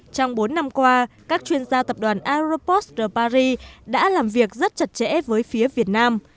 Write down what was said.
trong bốn năm qua các chuyên gia tập đoàn aroposter paris đã làm việc rất chặt chẽ với phía việt nam